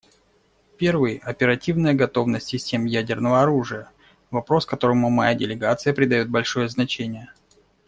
Первый — оперативная готовность систем ядерного оружия, вопрос, которому моя делегация придает большое значение.